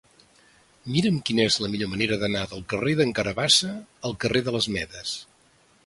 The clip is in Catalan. Mira'm quina és la millor manera d'anar del carrer d'en Carabassa al carrer de les Medes.